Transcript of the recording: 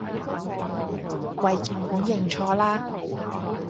跪鍵盤認錯啦